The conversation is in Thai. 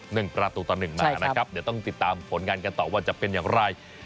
หนึ่งประตูต่อหนึ่งมานะครับเดี๋ยวต้องติดตามผลงานกันต่อว่าจะเป็นอย่างไร